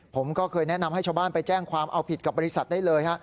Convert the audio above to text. ผมก็เคยแนะนำให้ชาวบ้านไปแจ้งความเอาผิดกับบริษัทได้เลยฮะ